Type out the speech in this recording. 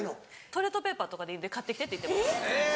トイレットペーパーとかでいいんで買ってきてって言ってます。